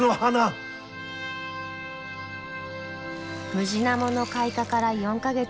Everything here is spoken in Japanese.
ムジナモの開花から４か月。